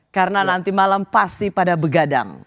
karena nanti malam pasti pada begadang